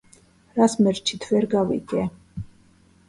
რას მერჩით ვერ გავიგე